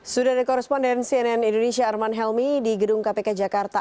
sudah ada koresponden cnn indonesia arman helmi di gedung kpk jakarta